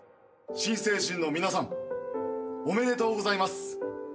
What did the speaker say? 新成人の皆さんおめでとうございます。